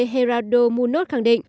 gerardo munoz khẳng định